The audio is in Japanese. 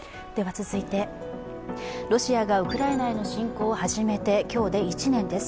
ロシアがウクライナへの侵攻を始めて今日で１年です。